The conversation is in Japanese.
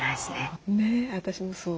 ねえ私もそう。